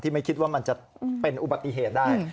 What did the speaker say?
ไม่คิดว่ามันจะเป็นอุบัติเหตุได้